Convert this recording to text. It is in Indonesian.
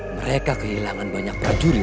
mereka kehilangan banyak prajurit